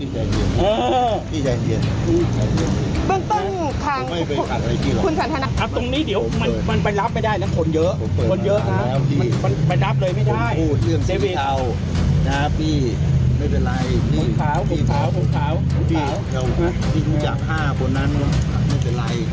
ตรงนี้เดี๋ยวมันไปรับไม่ได้นะคนเยอะคนเยอะไปรับเลยไม่ได้